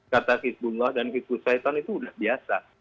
kata kisbu allah dan kisbu saiton itu udah biasa